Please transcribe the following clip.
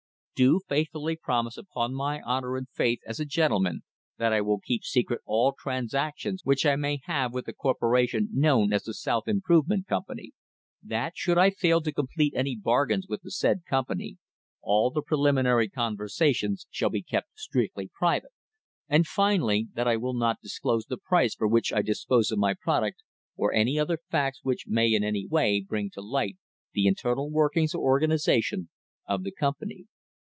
do faithfully promise upon my honour and faith as a gentleman that I will keep secret all transactions which I may have with the corporation known as the South Improvement Company; that, should I fail to complete any bargains with the said company, all the preliminary conversations shall be kept strictly private; and, finally, that I will not disclose the price for which I dispose of my product, or any other facts which may in any way bring to light the internal workings or organisation of the company.